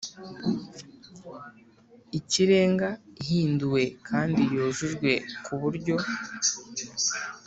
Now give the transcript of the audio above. Ikirenga ihinduwe kandi yujujwe ku buryo